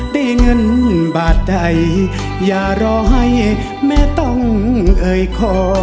ได้เงินบาทใดอย่ารอให้แม่ต้องเอ่ยคอ